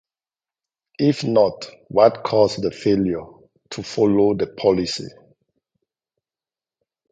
If not, what caused the failure to follow the policy?